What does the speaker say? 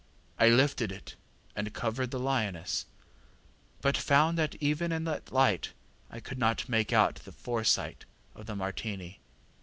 I lifted it and covered the lioness, but found that even in that light I could not make out the foresight of the Martini.